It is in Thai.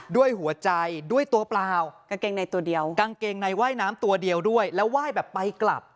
ด้วยหัวใจด้วยตัวเปล่ากางเกงในเว่น้ำตัวเดียวแล้วเว่น้ำไปกลับ